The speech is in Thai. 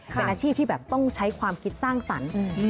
เป็นอาชีพที่แบบต้องใช้ความคิดสร้างสรรค์